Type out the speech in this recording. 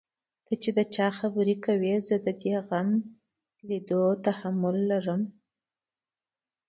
ته چا خبره کړې چې زه د دې غم ليدو تحمل لرم.